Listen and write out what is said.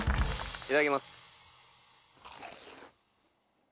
いただきます。